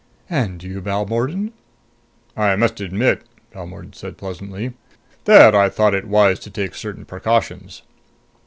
"And you, Balmordan?" "I must admit," Balmordan said pleasantly, "that I thought it wise to take certain precautions."